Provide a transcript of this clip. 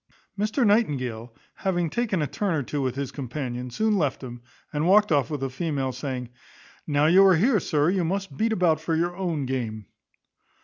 Mr Nightingale, having taken a turn or two with his companion, soon left him, and walked off with a female, saying, "Now you are here, sir, you must beat about for your own game."